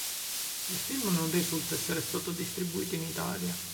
Il film non risulta essere stato distribuito in Italia.